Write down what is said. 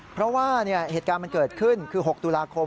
เพราะว่าเหตุการณ์มันเกิดขึ้นคือ๖ตุลาคม